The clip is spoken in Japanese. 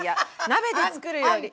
鍋で作るより。